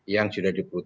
yang sudah diperhatikan